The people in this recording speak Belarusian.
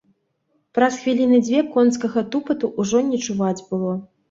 Праз хвіліны дзве конскага тупату ўжо не чуваць было.